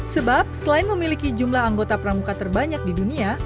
sebab selain memiliki jumlah anggota pramuka terbanyak di dunia